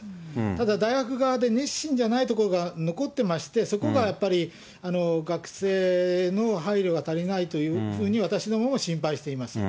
ただ、大学側で熱心じゃないところが残ってまして、そこがやっぱり学生の配慮が足りないというふうに、私どもも心配しています。